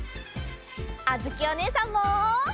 あづきおねえさんも。